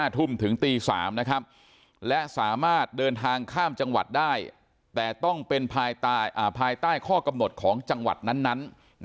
ถึงตี๓และสามารถเดินทางข้ามจังหวัดได้แต่ต้องเป็นภายใต้ข้อกำหนดของจังหวัดนั้น